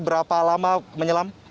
berapa lama menyelam